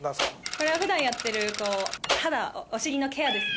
これは普段やってる肌お尻のケアですね。